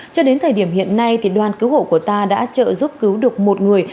cho đến thời điểm hiện nay đoàn cứu hộ của ta đã trợ giúp cứu được một người